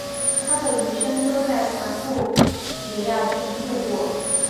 他的余生都在坎布里亚郡度过。